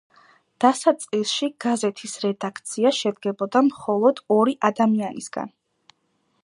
დასაწყისში გაზეთის რედაქცია შედგებოდა მხოლოდ ერთი ადამიანისგან.